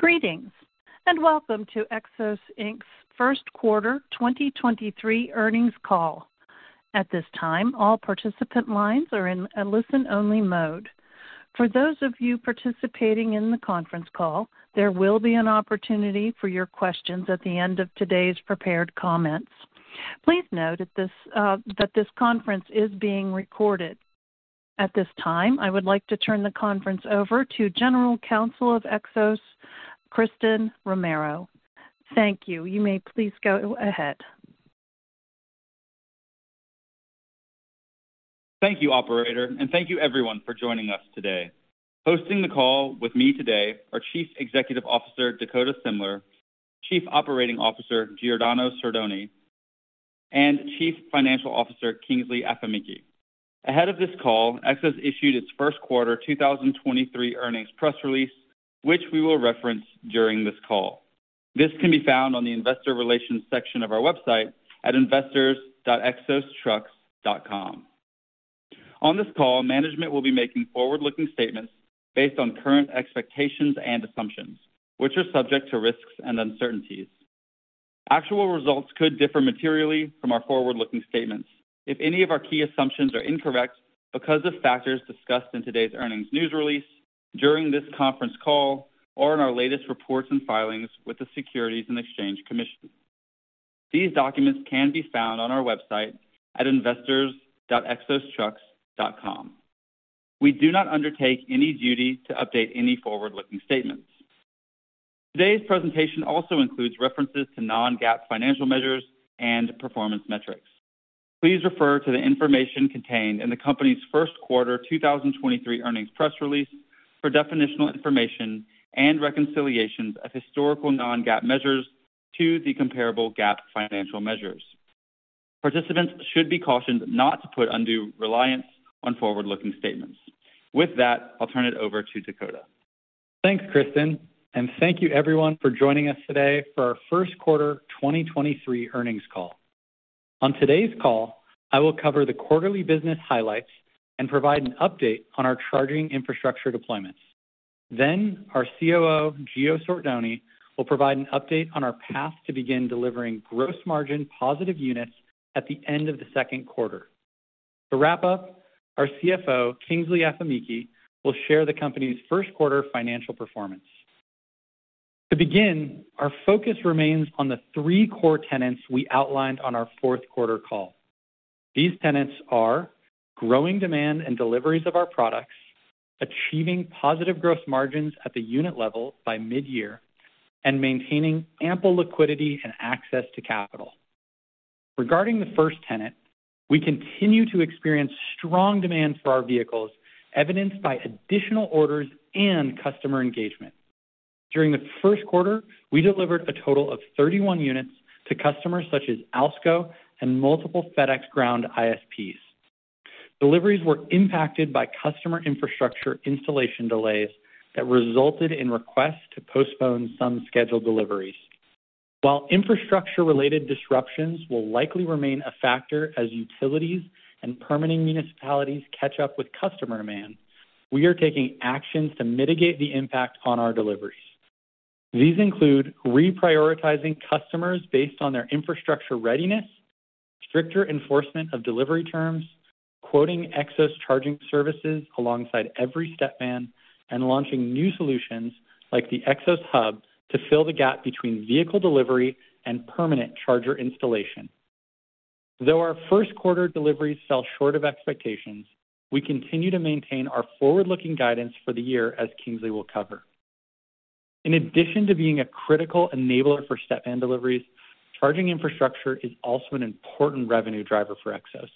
Greetings, welcome to Xos, Inc.'s first quarter 2023 earnings call. At this time, all participant lines are in a listen-only mode. For those of you participating in the conference call, there will be an opportunity for your questions at the end of today's prepared comments. Please note that this conference is being recorded. At this time, I would like to turn the conference over to General Counsel of Xos, Christen Romero. Thank you. You may please go ahead. Thank you, operator, and thank you everyone for joining us today. Hosting the call with me today are Chief Executive Officer, Dakota Semler, Chief Operating Officer, Giordano Sordoni, and Chief Financial Officer, Kingsley Afemikhe. Ahead of this call, Xos issued its first quarter 2023 earnings press release, which we will reference during this call. This can be found on the investor relations section of our website at investors.xostrucks.com. On this call, management will be making forward-looking statements based on current expectations and assumptions, which are subject to risks and uncertainties. Actual results could differ materially from our forward-looking statements if any of our key assumptions are incorrect because of factors discussed in today's earnings news release, during this conference call, or in our latest reports and filings with the Securities and Exchange Commission. These documents can be found on our website at investors.xostrucks.com. We do not undertake any duty to update any forward-looking statements. Today's presentation also includes references to non-GAAP financial measures and performance metrics. Please refer to the information contained in the company's first quarter 2023 earnings press release for definitional information and reconciliations of historical non-GAAP measures to the comparable GAAP financial measures. Participants should be cautioned not to put undue reliance on forward-looking statements. With that, I'll turn it over to Dakota. Thanks, Christen, thank you everyone for joining us today for our first quarter 2023 earnings call. On today's call, I will cover the quarterly business highlights and provide an update on our charging infrastructure deployments. Our COO, Gio Sordoni, will provide an update on our path to begin delivering gross margin positive units at the end of the second quarter. To wrap up, our CFO, Kingsley Afemikhe, will share the company's first quarter financial performance. To begin, our focus remains on the three core tenets we outlined on our fourth quarter call. These tenets are growing demand and deliveries of our products, achieving positive gross margins at the unit level by mid-year, and maintaining ample liquidity and access to capital. Regarding the first tenet, we continue to experience strong demand for our vehicles, evidenced by additional orders and customer engagement. During the first quarter, we delivered a total of 31 units to customers such as Alsco and multiple FedEx Ground ISPs. Deliveries were impacted by customer infrastructure installation delays that resulted in requests to postpone some scheduled deliveries. While infrastructure-related disruptions will likely remain a factor as utilities and permitting municipalities catch up with customer demand, we are taking actions to mitigate the impact on our deliveries. These include reprioritizing customers based on their infrastructure readiness, stricter enforcement of delivery terms, quoting Xos charging services alongside every Stepvan, and launching new solutions like the Xos Hub to fill the gap between vehicle delivery and permanent charger installation. Though our first quarter deliveries fell short of expectations, we continue to maintain our forward-looking guidance for the year as Kingsley will cover. In addition to being a critical enabler for Stepvan deliveries, charging infrastructure is also an important revenue driver for Xos.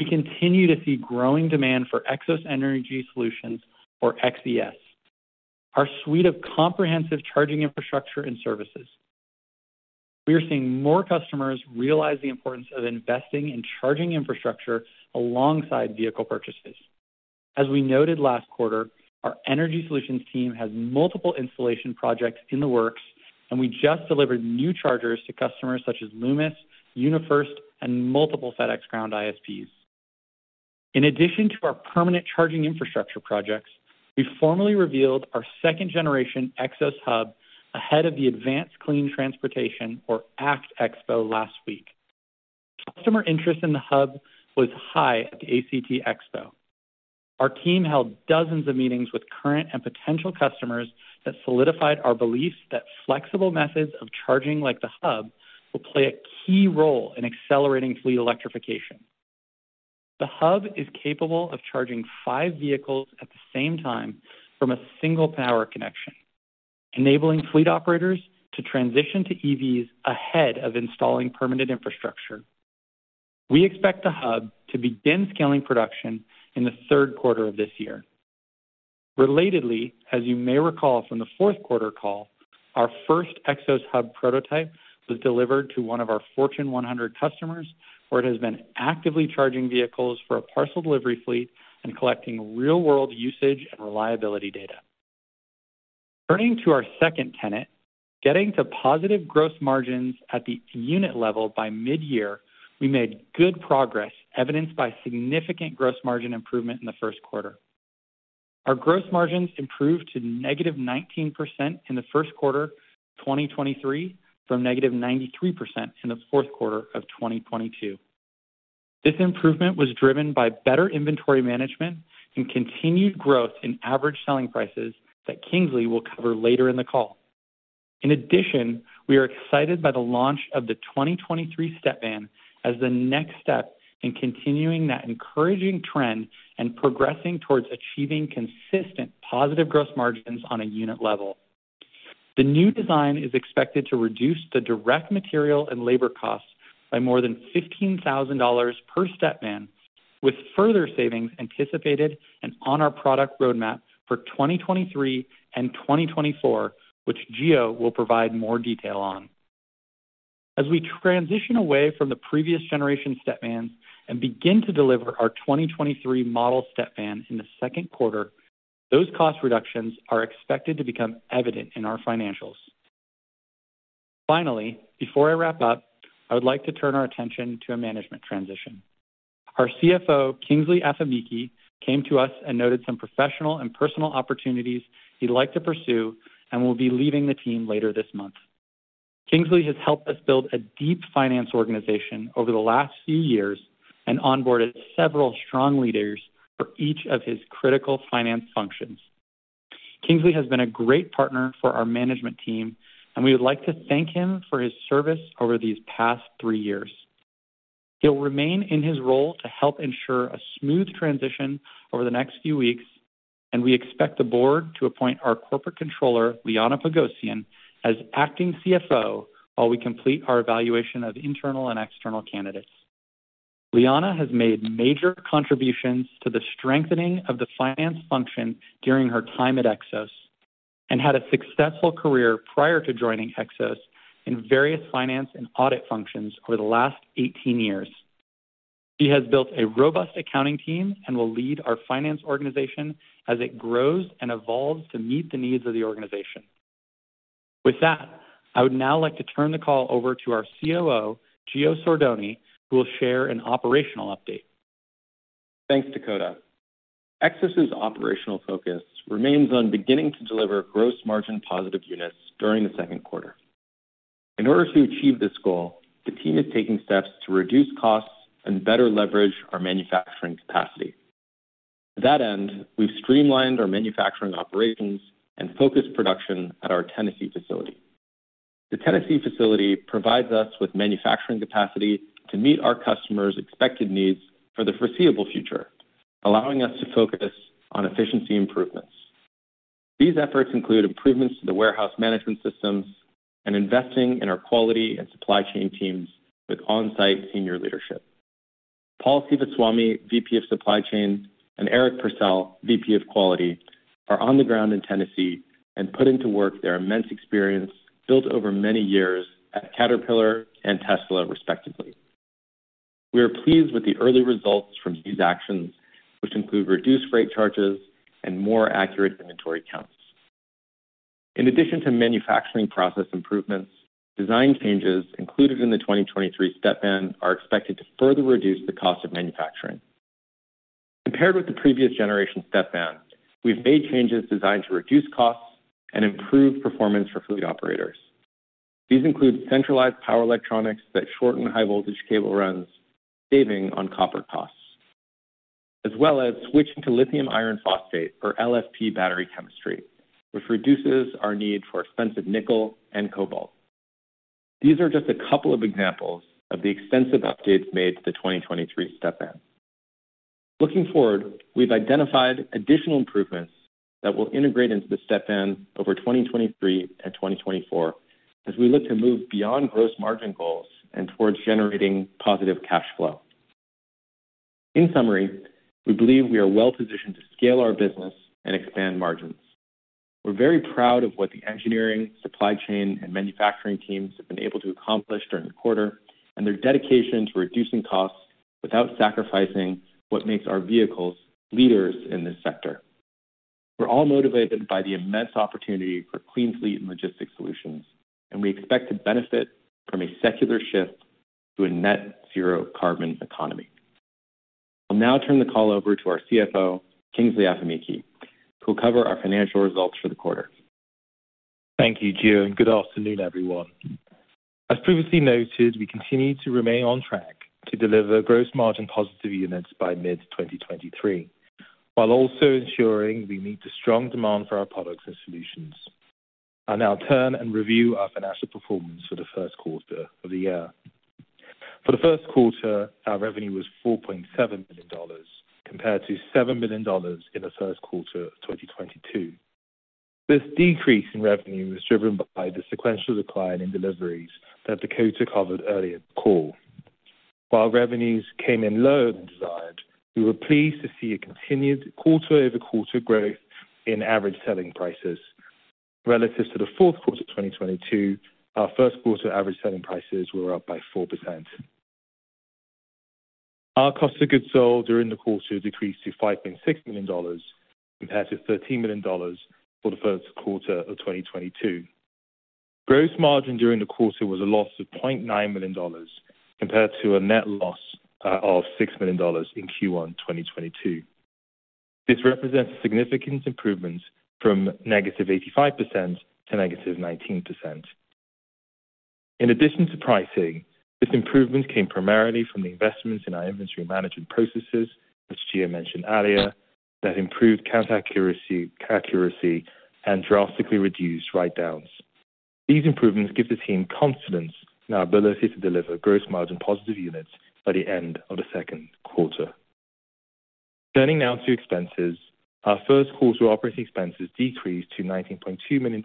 We continue to see growing demand for Xos Energy Solutions, or XES, our suite of comprehensive charging infrastructure and services. We are seeing more customers realize the importance of investing in charging infrastructure alongside vehicle purchases. As we noted last quarter, our Energy Solutions team has multiple installation projects in the works, and we just delivered new chargers to customers such as Loomis, UniFirst, and multiple FedEx Ground ISPs. In addition to our permanent charging infrastructure projects, we formally revealed our second generation Xos Hub ahead of the Advanced Clean Transportation, or ACT Expo, last week. Customer interest in the Hub was high at the ACT Expo. Our team held dozens of meetings with current and potential customers that solidified our belief that flexible methods of charging, like the Hub, will play a key role in accelerating fleet electrification. The Hub is capable of charging five vehicles at the same time from a single power connection, enabling fleet operators to transition to EVs ahead of installing permanent infrastructure. We expect the Hub to begin scaling production in the third quarter of this year. Relatedly, as you may recall from the fourth quarter call, our first Xos Hub prototype was delivered to one of our Fortune 100 customers, where it has been actively charging vehicles for a parcel delivery fleet and collecting real-world usage and reliability data. Turning to our second tenet, Getting to positive gross margins at the unit level by mid-year, we made good progress evidenced by significant gross margin improvement in the 1st quarter. Our gross margins improved to -19% in the first quarter of 2023 from -93% in the fourth quarter of 2022. This improvement was driven by better inventory management and continued growth in average selling prices that Kingsley will cover later in the call. In addition, we are excited by the launch of the 2023 Stepvan as the next step in continuing that encouraging trend and progressing towards achieving consistent positive gross margins on a unit level. The new design is expected to reduce the direct material and labor costs by more than $15,000 per Stepvan, with further savings anticipated and on our product roadmap for 2023 and 2024, which Gio will provide more detail on. As we transition away from the previous generation Stepvan and begin to deliver our 2023 model Stepvan in the second quarter, those cost reductions are expected to become evident in our financials. Before I wrap up, I would like to turn our attention to a management transition. Our CFO Kingsley Afemikhe came to us and noted some professional and personal opportunities he'd like to pursue and will be leaving the team later this month. Kingsley has helped us build a deep finance organization over the last few years and onboarded several strong leaders for each of his critical finance functions. Kingsley has been a great partner for our management team, and we would like to thank him for his service over these past three years. He'll remain in his role to help ensure a smooth transition over the next few weeks. We expect the board to appoint our corporate controller, Liana Pogosyan, as acting CFO while we complete our evaluation of internal and external candidates. Liana has made major contributions to the strengthening of the finance function during her time at Xos and had a successful career prior to joining Xos in various finance and audit functions over the last 18 years. She has built a robust accounting team and will lead our finance organization as it grows and evolves to meet the needs of the organization. With that, I would now like to turn the call over to our COO, Gio Sordoni, who will share an operational update. Thanks, Dakota. Xos' operational focus remains on beginning to deliver gross margin positive units during the second quarter. In order to achieve this goal, the team is taking steps to reduce costs and better leverage our manufacturing capacity. To that end, we've streamlined our manufacturing operations and focused production at our Tennessee facility. The Tennessee facility provides us with manufacturing capacity to meet our customers' expected needs for the foreseeable future, allowing us to focus on efficiency improvements. These efforts include improvements to the warehouse management systems and investing in our quality and supply chain teams with on-site senior leadership. Paul Sivaswamy, VP of Supply Chain, and Eric Purcell, VP of Quality, are on the ground in Tennessee and putting to work their immense experience built over many years at Caterpillar and Tesla, respectively. We are pleased with the early results from these actions, which include reduced freight charges and more accurate inventory counts. In addition to manufacturing process improvements, design changes included in the 2023 Stepvan are expected to further reduce the cost of manufacturing. Compared with the previous generation Stepvan, we've made changes designed to reduce costs and improve performance for fleet operators. These include centralized power electronics that shorten high voltage cable runs, saving on copper costs, as well as switching to lithium iron phosphate or LFP battery chemistry, which reduces our need for expensive nickel and cobalt. These are just a couple of examples of the extensive updates made to the 2023 Stepvan. Looking forward, we've identified additional improvements that we'll integrate into the Stepvan over 2023 and 2024 as we look to move beyond gross margin goals and towards generating positive cash flow. In summary, we believe we are well-positioned to scale our business and expand margins. We're very proud of what the engineering, supply chain, and manufacturing teams have been able to accomplish during the quarter and their dedication to reducing costs without sacrificing what makes our vehicles leaders in this sector. We're all motivated by the immense opportunity for clean fleet and logistics solutions, and we expect to benefit from a secular shift to a net zero carbon economy. I'll now turn the call over to our CFO, Kingsley Afemikhe, who will cover our financial results for the quarter. Thank you, Gio, and good afternoon, everyone. As previously noted, we continue to remain on track to deliver gross margin positive units by mid-2023, while also ensuring we meet the strong demand for our products and solutions. I'll now turn and review our financial performance for the first quarter of the year. For the first quarter, our revenue was $4.7 million compared to $7 million in the first quarter of 2022. This decrease in revenue was driven by the sequential decline in deliveries that Dakota covered earlier in the call. While revenues came in lower than desired, we were pleased to see a continued quarter-over-quarter growth in average selling prices. Relative to the fourth quarter of 2022, our first quarter average selling prices were up by 4%. Our cost of goods sold during the quarter decreased to $5.6 million compared to $13 million for the first quarter of 2022. Gross margin during the quarter was a loss of $0.9 million compared to a net loss of $6 million in Q1 2022. This represents significant improvement from negative 85% to negative 19%. In addition to pricing, this improvement came primarily from the investments in our inventory management processes, as Gio mentioned earlier, that improved count accuracy and drastically reduced write-downs. These improvements give the team confidence in our ability to deliver gross margin positive units by the end of the second quarter. Turning now to expenses. Our first quarter operating expenses decreased to $19.2 million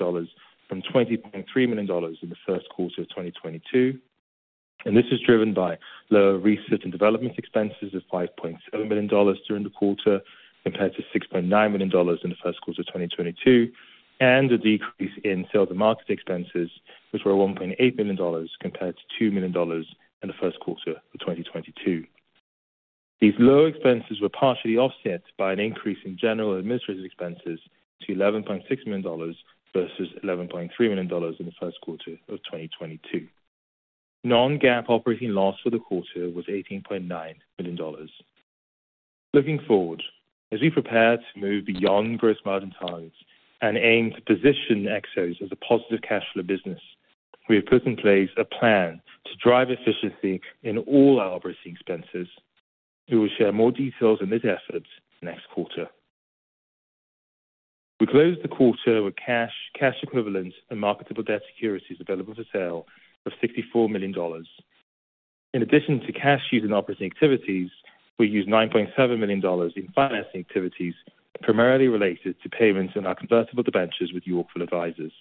from $20.3 million in the first quarter of 2022. This is driven by lower research and development expenses of $5.7 million during the quarter, compared to $6.9 million in the first quarter of 2022, and a decrease in sales and marketing expenses, which were $1.8 million compared to $2 million in the first quarter of 2022. These lower expenses were partially offset by an increase in general and administrative expenses to $11.6 million versus $11.3 million in the first quarter of 2022. Non-GAAP operating loss for the quarter was $18.9 million. Looking forward, as we prepare to move beyond gross margin targets and aim to position Xos as a positive cash flow business, we have put in place a plan to drive efficiency in all our OpEx. We will share more details on these efforts next quarter. We closed the quarter with cash equivalents and marketable debt securities available for sale of $64 million. In addition to cash used in operating activities, we used $9.7 million in financing activities, primarily related to payments on our convertible debentures with Yorkville Advisors.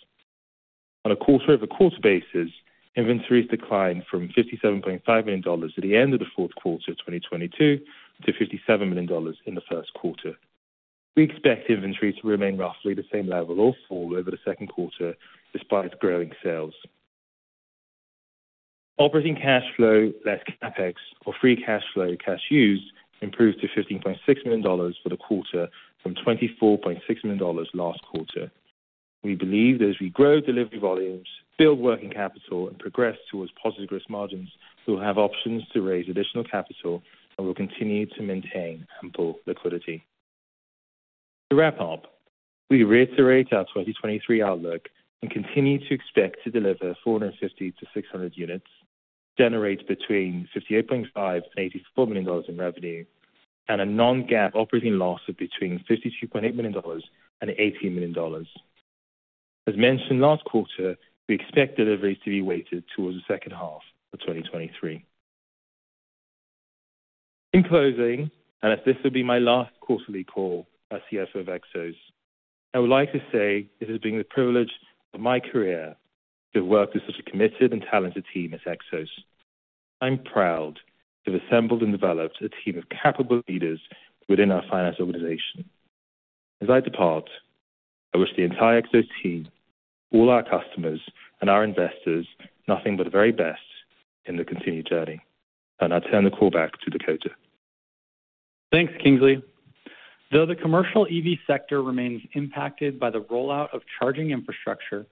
On a quarter-over-quarter basis, inventories declined from $57.5 million at the end of the fourth quarter of 2022 to $57 million in the first quarter. We expect inventory to remain roughly the same level or fall over the second quarter despite growing sales. Operating cash flow, less CapEx or free cash flow cash used, improved to $15.6 million for the quarter from $24.6 million last quarter. We believe that as we grow delivery volumes, build working capital, and progress towards positive gross margins, we'll have options to raise additional capital and will continue to maintain ample liquidity. To wrap up, we reiterate our 2023 outlook and continue to expect to deliver 450-600 units, generate between $58.5 million and $84 million in revenue, and a non-GAAP operating loss of between $52.8 million and $18 million. As mentioned last quarter, we expect deliveries to be weighted towards the second half of 2023. In closing, as this will be my last quarterly call as CFO of Xos, I would like to say it has been the privilege of my career to have worked with such a committed and talented team as Xos. I'm proud to have assembled and developed a team of capable leaders within our finance organization. As I depart, I wish the entire Xos team, all our customers, and our investors nothing but the very best in their continued journey. I'll now turn the call back to Dakota. Thanks, Kingsley. Though the commercial EV sector remains impacted by the rollout of charging infrastructure,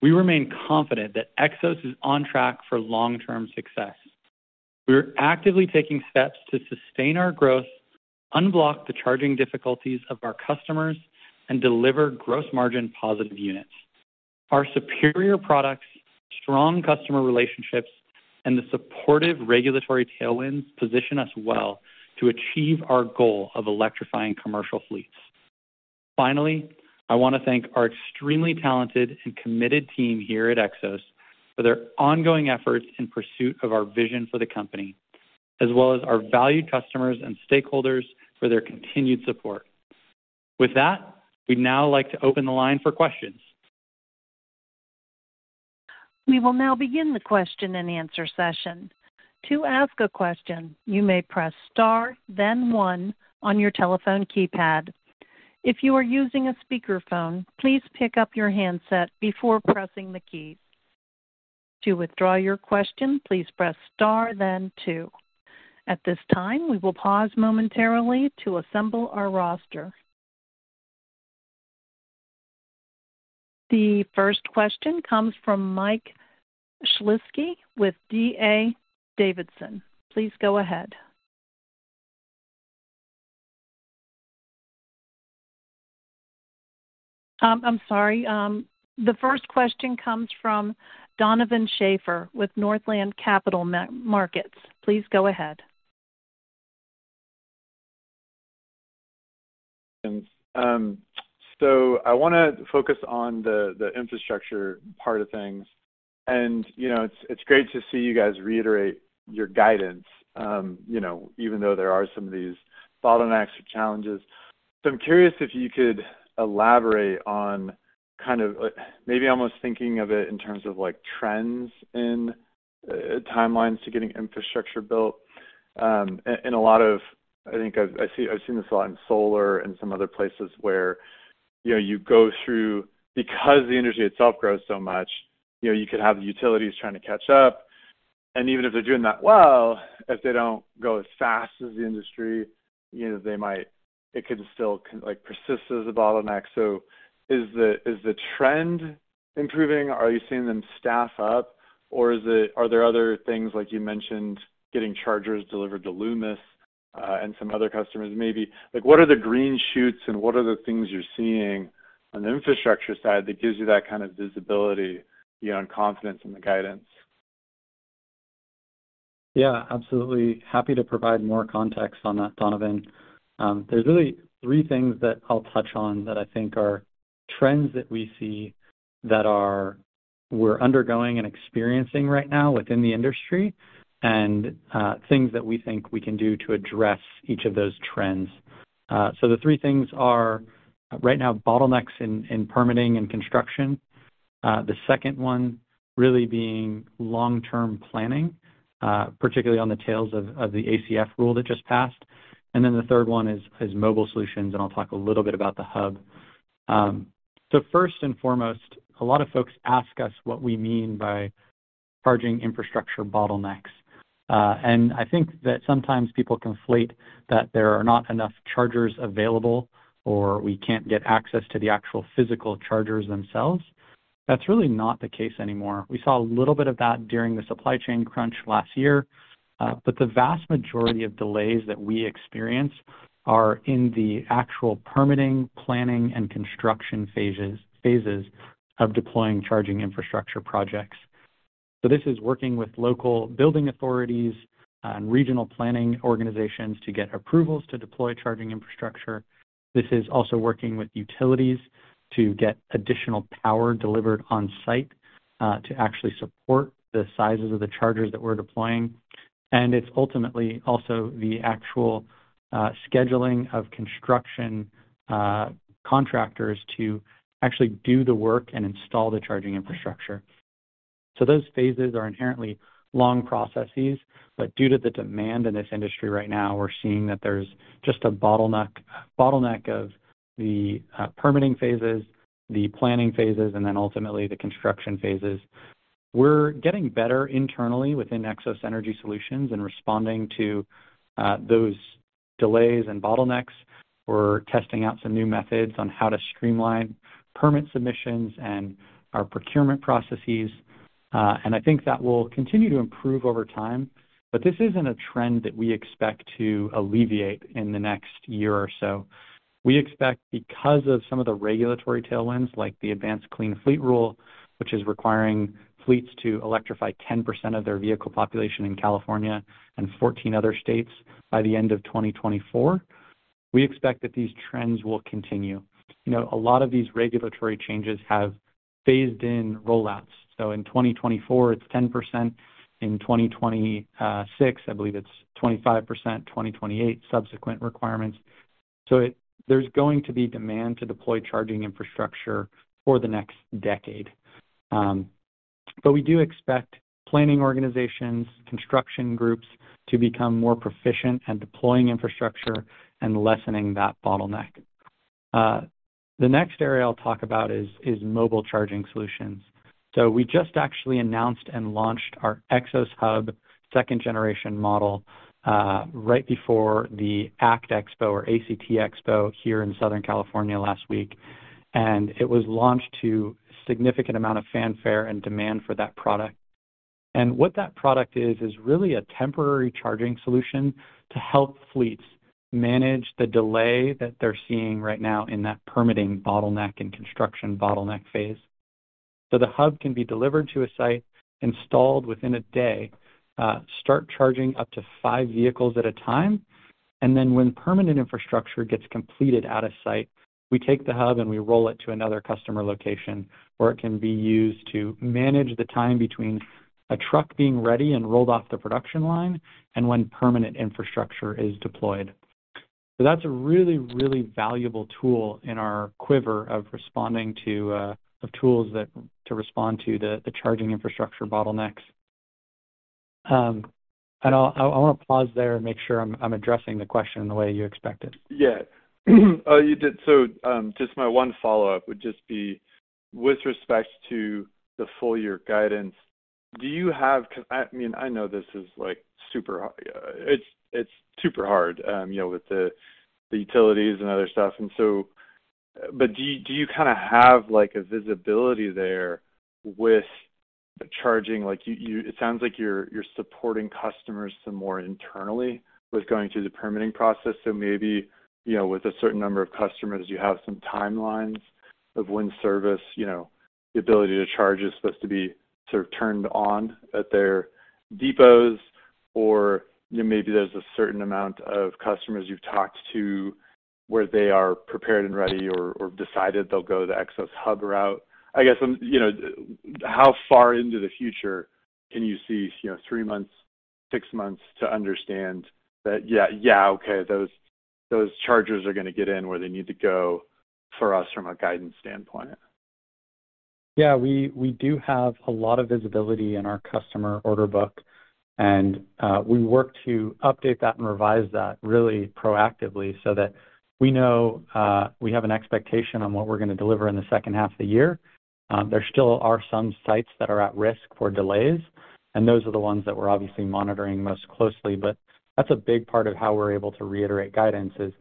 we remain confident that Xos is on track for long-term success. We are actively taking steps to sustain our growth, unblock the charging difficulties of our customers, and deliver gross margin positive units. Our superior products, strong customer relationships, and the supportive regulatory tailwinds position us well to achieve our goal of electrifying commercial fleets. Finally, I want to thank our extremely talented and committed team here at Xos for their ongoing efforts in pursuit of our vision for the company, as well as our valued customers and stakeholders for their continued support. We'd now like to open the line for questions. We will now begin the question and answer session. To ask a question, you may press star then one on your telephone keypad. If you are using a speakerphone, please pick up your handset before pressing the key. To withdraw your question, please press star then two. At this time, we will pause momentarily to assemble our roster. The first question comes from Mike Shlisky with D.A. Davidson. Please go ahead. I'm sorry. The first question comes from Donovan Schafer with Northland Capital Markets. Please go ahead. I wanna focus on the infrastructure part of things. You know, it's great to see you guys reiterate your guidance, you know, even though there are some of these bottlenecks or challenges. I'm curious if you could elaborate on kind of maybe almost thinking of it in terms of like trends in timelines to getting infrastructure built, and a lot of I think I've seen this a lot in solar and some other places where you know, you go through because the industry itself grows so much, you know, you could have utilities trying to catch up. Even if they're doing that well, if they don't go as fast as the industry, you know, they might it can still like, persist as a bottleneck. Is the trend improving? Are you seeing them staff up or are there other things, like you mentioned, getting chargers delivered to Loomis, and some other customers maybe? Like, what are the green shoots and what are the things you're seeing on the infrastructure side that gives you that kind of visibility, you know, and confidence in the guidance? Yeah, absolutely. Happy to provide more context on that, Donovan. There's really three things that I'll touch on that I think are trends that we see that we're undergoing and experiencing right now within the industry, things that we think we can do to address each of those trends. The three things are, right now, bottlenecks in permitting and construction. The second one really being long-term planning, particularly on the tails of the ACF rule that just passed. The third one is mobile solutions, and I'll talk a little bit about the hub. First and foremost, a lot of folks ask us what we mean by charging infrastructure bottlenecks. I think that sometimes people conflate that there are not enough chargers available or we can't get access to the actual physical chargers themselves. That's really not the case anymore. We saw a little bit of that during the supply chain crunch last year, but the vast majority of delays that we experience are in the actual permitting, planning, and construction phases of deploying charging infrastructure projects. This is working with local building authorities and regional planning organizations to get approvals to deploy charging infrastructure. This is also working with utilities to get additional power delivered on site, to actually support the sizes of the chargers that we're deploying. It's ultimately also the actual, scheduling of construction, contractors to actually do the work and install the charging infrastructure. Those phases are inherently long processes, but due to the demand in this industry right now, we're seeing that there's just a bottleneck of the, permitting phases, the planning phases, and then ultimately the construction phases. We're getting better internally within Xos Energy Solutions in responding to those delays and bottlenecks. We're testing out some new methods on how to streamline permit submissions and our procurement processes. I think that will continue to improve over time. This isn't a trend that we expect to alleviate in the next year or so. We expect because of some of the regulatory tailwinds, like the Advanced Clean Fleets rule, which is requiring fleets to electrify 10% of their vehicle population in California and 14 other states by the end of 2024, we expect that these trends will continue. You know, a lot of these regulatory changes have phased in roll-outs. In 2024, it's 10%. In 2026, I believe it's 25%. 2028, subsequent requirements. There's going to be demand to deploy charging infrastructure for the next decade. We do expect planning organizations, construction groups to become more proficient in deploying infrastructure and lessening that bottleneck. The next area I'll talk about is mobile charging solutions. We just actually announced and launched our Xos Hub 2nd generation model right before the ACT Expo or A-C-T Expo here in Southern California last week. It was launched to significant amount of fanfare and demand for that product. What that product is really a temporary charging solution to help fleets manage the delay that they're seeing right now in that permitting bottleneck and construction bottleneck phase. The hub can be delivered to a site, installed within a day, start charging up to five vehicles at a time, and then when permanent infrastructure gets completed at a site, we take the hub and we roll it to another customer location where it can be used to manage the time between a truck being ready and rolled off the production line and when permanent infrastructure is deployed. That's a really, really valuable tool in our quiver of responding to of tools that to respond to the charging infrastructure bottlenecks. I wanna pause there and make sure I'm addressing the question the way you expected. Yeah. You did. Just my one follow-up would just be with respect to the full year guidance, do you have... 'cause I mean, I know this is, like, super hard. It's super hard, you know, with the utilities and other stuff. Do you kinda have, like, a visibility there with the charging? Like, you it sounds like you're supporting customers some more internally with going through the permitting process. Maybe, you know, with a certain number of customers, you have some timelines of when service, you know, the ability to charge is supposed to be sort of turned on at their depots, or, you know, maybe there's a certain amount of customers you've talked to where they are prepared and ready or decided they'll go the Xos Hub route. I guess I'm, you know... How far into the future can you see, you know, three months, six months to understand that, yeah, okay, those chargers are gonna get in where they need to go for us from a guidance standpoint? Yeah, we do have a lot of visibility in our customer order book, and we work to update that and revise that really proactively so that we know, we have an expectation on what we're gonna deliver in the second half of the year. There still are some sites that are at risk for delays, and those are the ones that we're obviously monitoring most closely. That's a big part of how we're able to reiterate guidance, is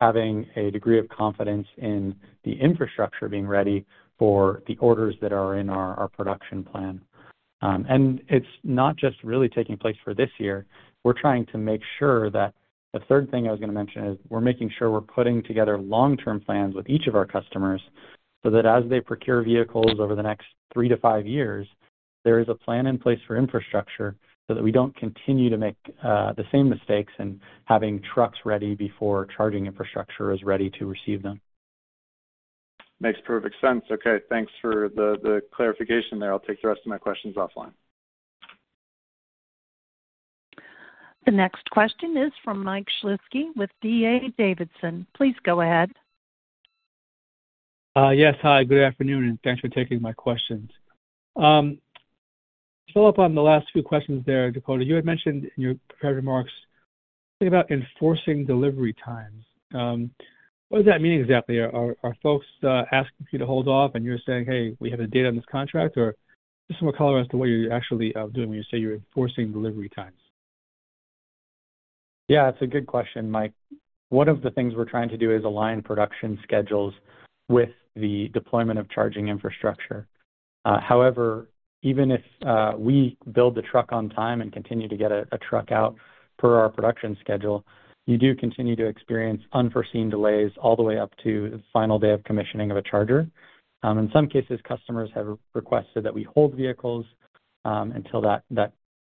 having a degree of confidence in the infrastructure being ready for the orders that are in our production plan. It's not just really taking place for this year. We're trying to make sure that... The third thing I was gonna mention is we're making sure we're putting together long-term plans with each of our customers so that as they procure vehicles over the next three to five years, there is a plan in place for infrastructure so that we don't continue to make the same mistakes in having trucks ready before charging infrastructure is ready to receive them. Makes perfect sense. Okay, thanks for the clarification there. I'll take the rest of my questions offline. The next question is from Mike Shlisky with D.A. Davidson. Please go ahead. Yes. Hi, good afternoon, thanks for taking my questions. To follow up on the last few questions there, Dakota, you had mentioned in your prepared remarks, think about enforcing delivery times. What does that mean exactly? Are folks asking you to hold off and you're saying, "Hey, we have a date on this contract," or just some more color as to what you're actually doing when you say you're enforcing delivery times. Yeah, it's a good question, Mike. One of the things we're trying to do is align production schedules with the deployment of charging infrastructure. However, even if we build the truck on time and continue to get a truck out per our production schedule, you do continue to experience unforeseen delays all the way up to the final day of commissioning of a charger. In some cases, customers have requested that we hold vehicles until that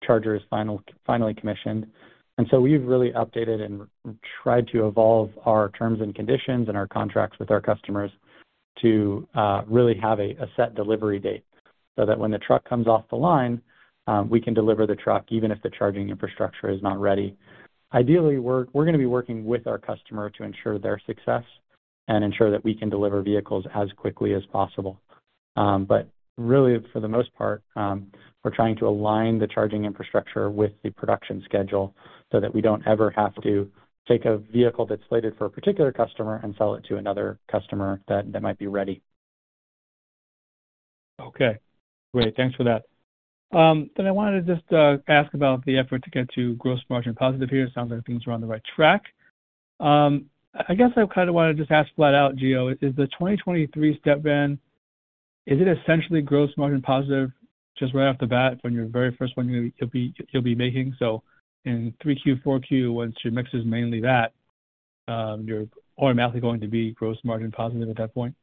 charger is finally commissioned. We've really updated and tried to evolve our terms and conditions and our contracts with our customers to really have a set delivery date so that when the truck comes off the line, we can deliver the truck even if the charging infrastructure is not ready. Ideally, we're gonna be working with our customer to ensure their success and ensure that we can deliver vehicles as quickly as possible. Really, for the most part, we're trying to align the charging infrastructure with the production schedule so that we don't ever have to take a vehicle that's slated for a particular customer and sell it to another customer that might be ready. Okay. Great. Thanks for that. I wanted to just ask about the effort to get to gross margin positive here. It sounds like things are on the right track. I guess I kind of want to just ask flat out, Gio, is the 2023 Stepvan, is it essentially gross margin positive just right off the bat from your very first one you'll be making? In 3Q, 4Q, once your mix is mainly that, you're automatically going to be gross margin positive at that point?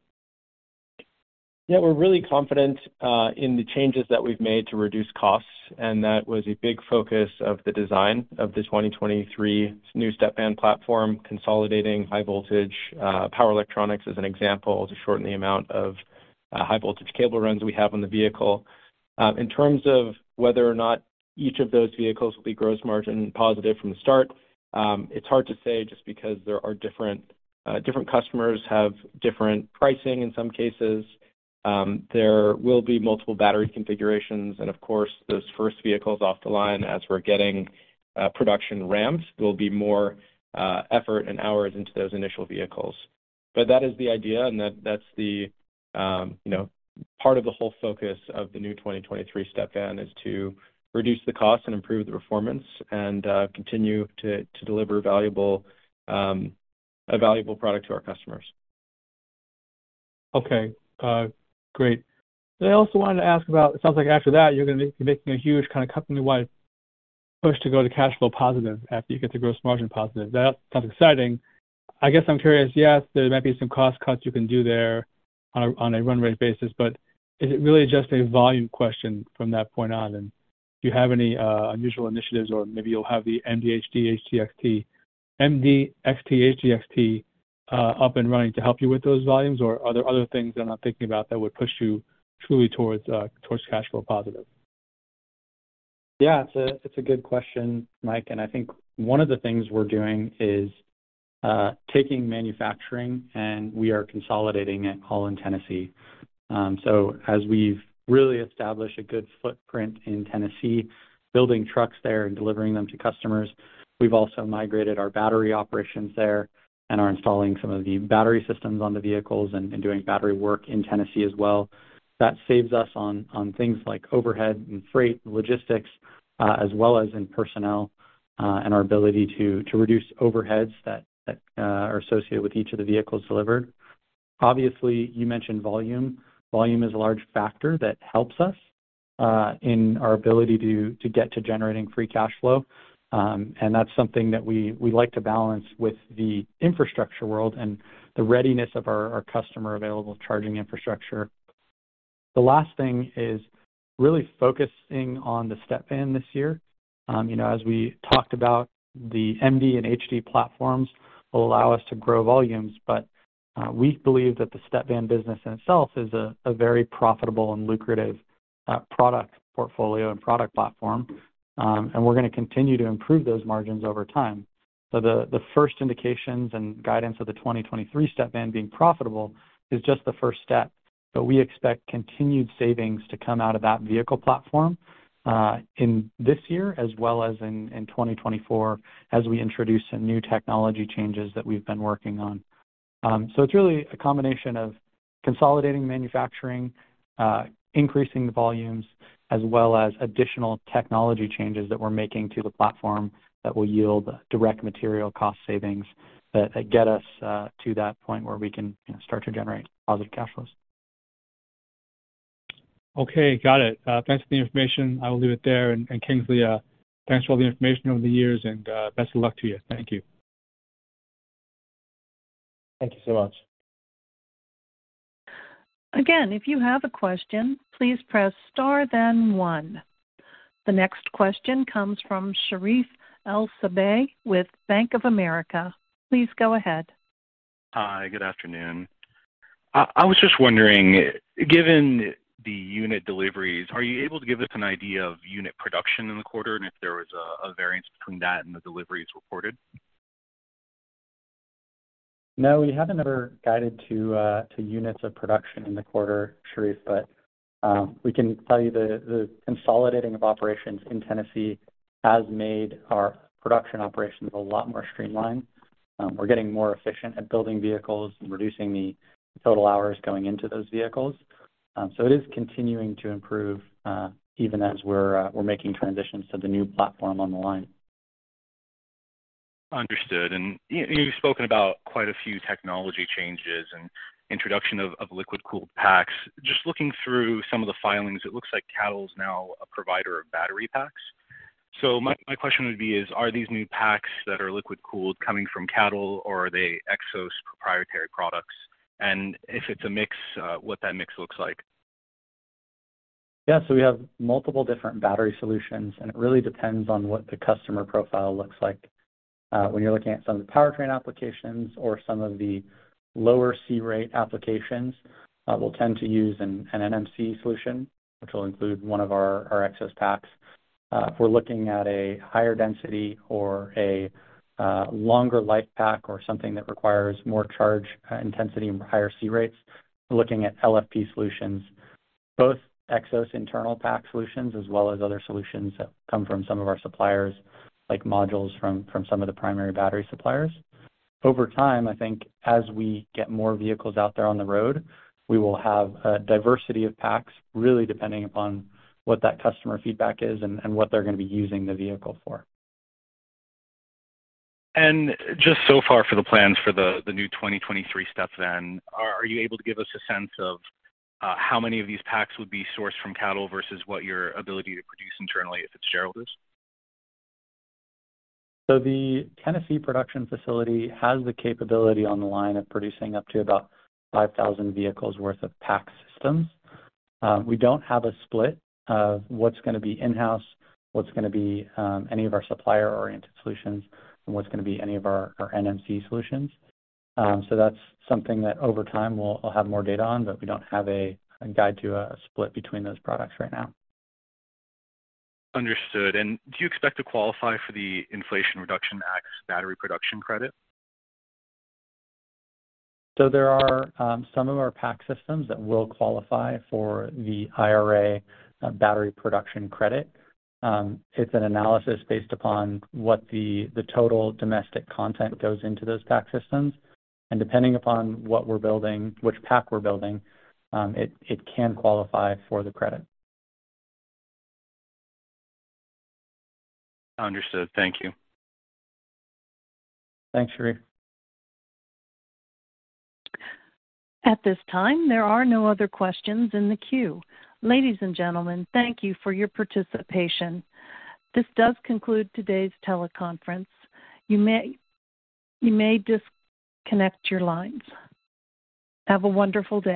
Yeah. We're really confident in the changes that we've made to reduce costs, and that was a big focus of the design of the 2023 new Stepvan platform, consolidating high voltage power electronics as an example, to shorten the amount of high voltage cable runs we have on the vehicle. In terms of whether or not each of those vehicles will be gross margin positive from the start, it's hard to say just because there are different customers have different pricing in some cases. There will be multiple battery configurations and of course, those first vehicles off the line as we're getting production ramps, there'll be more effort and hours into those initial vehicles. That is the idea, and that's the, you know, part of the whole focus of the new 2023 Stepvan is to reduce the cost and improve the performance and, continue to deliver valuable, a valuable product to our customers. Okay. Great. I also wanted to ask about, it sounds like after that, you're gonna be making a huge kind of company-wide push to go to cash flow positive after you get to gross margin positive. That sounds exciting. I guess I'm curious, yes, there might be some cost cuts you can do there on a, on a run rate basis, but is it really just a volume question from that point on? Do you have any unusual initiatives or maybe you'll have the MDXT HDXT up and running to help you with those volumes? Are there other things that I'm not thinking about that would push you truly towards cash flow positive? Yeah. It's a good question, Mike, and I think one of the things we're doing is taking manufacturing, and we are consolidating it all in Tennessee. As we've really established a good footprint in Tennessee, building trucks there and delivering them to customers, we've also migrated our battery operations there and are installing some of the battery systems on the vehicles and doing battery work in Tennessee as well. That saves us on things like overhead and freight and logistics, as well as in personnel, and our ability to reduce overheads that are associated with each of the vehicles delivered. Obviously, you mentioned volume. Volume is a large factor that helps us in our ability to get to generating free cash flow. That's something that we like to balance with the infrastructure world and the readiness of our customer available charging infrastructure. The last thing is really focusing on the Stepvan this year. You know, as we talked about, the MD and HD platforms will allow us to grow volumes, but we believe that the Stepvan business in itself is a very profitable and lucrative product portfolio and product platform. We're gonna continue to improve those margins over time. The first indications and guidance of the 2023 Stepvan being profitable is just the first step. We expect continued savings to come out of that vehicle platform in this year as well as in 2024 as we introduce some new technology changes that we've been working on. It's really a combination of consolidating manufacturing, increasing the volumes, as well as additional technology changes that we're making to the platform that will yield direct material cost savings that get us to that point where we can, you know, start to generate positive cash flows. Okay. Got it. Thanks for the information. I will leave it there. Kingsley, thanks for all the information over the years, and, best of luck to you. Thank you. Thank you so much. Again, if you have a question, please press star then one. The next question comes from Sherif El-Sabbahy with Bank of America. Please go ahead. Hi. Good afternoon. I was just wondering, given the unit deliveries, are you able to give us an idea of unit production in the quarter and if there was a variance between that and the deliveries reported? We haven't ever guided to units of production in the quarter, Sherif. We can tell you the consolidating of operations in Tennessee has made our production operations a lot more streamlined. We're getting more efficient at building vehicles and reducing the total hours going into those vehicles. It is continuing to improve even as we're making transitions to the new platform on the line. Understood. You've spoken about quite a few technology changes and introduction of liquid-cooled packs. Just looking through some of the filings, it looks like CATL is now a provider of battery packs. My question would be is, are these new packs that are liquid-cooled coming from CATL or are they Xos proprietary products? If it's a mix, what that mix looks like? We have multiple different battery solutions, and it really depends on what the customer profile looks like. When you're looking at some of the powertrain applications or some of the lower C-rate applications, we'll tend to use an NMC solution, which will include one of our Xos packs. If we're looking at a higher density or a longer life pack or something that requires more charge intensity and higher C rates, we're looking at LFP solutions. Both Xos internal pack solutions as well as other solutions that come from some of our suppliers, like modules from some of the primary battery suppliers. Over time, I think as we get more vehicles out there on the road, we will have a diversity of packs really depending upon what that customer feedback is and what they're gonna be using the vehicle for. Just so far for the plans for the new 2023 Stepvan, are you able to give us a sense of how many of these packs would be sourced from CATL versus what your ability to produce internally if it's shareholders? The Tennessee production facility has the capability on the line of producing up to about 5,000 vehicles worth of pack systems. We don't have a split of what's gonna be in-house, what's gonna be any of our supplier-oriented solutions, and what's gonna be any of our NMC solutions. That's something that over time we'll have more data on, but we don't have a guide to a split between those products right now. Understood. Do you expect to qualify for the Inflation Reduction Act's battery production credit? There are some of our pack systems that will qualify for the IRA battery production credit. It's an analysis based upon what the total domestic content goes into those pack systems. Depending upon what we're building, which pack we're building, it can qualify for the credit. Understood. Thank you. Thanks, Sherif. At this time, there are no other questions in the queue. Ladies and gentlemen, thank you for your participation. This does conclude today's teleconference. You may disconnect your lines. Have a wonderful day.